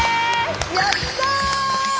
やった！